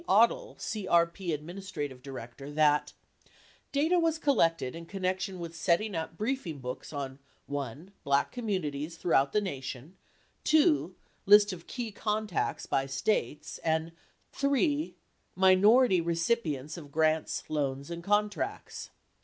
Odle, CRP administrative director, that : Data was collected in connection with setting up briefing books on (1) black communities throughout the Nation, (2) list of key contacts by states and (3) minority recipients of grants, loans, and contracts.